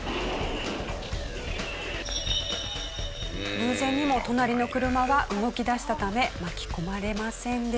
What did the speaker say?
偶然にも隣の車は動きだしたため巻き込まれませんでした。